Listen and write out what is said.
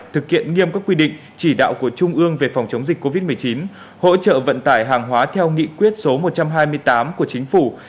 thực hiện nghiêm các quy định chỉ đạo của trung ương về phòng chống dịch covid một mươi chín hỗ trợ vận tải hàng hóa theo nghị quyết số một trăm hai mươi tám của chính phủ